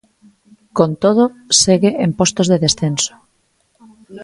Con todo, segue en postos de descenso.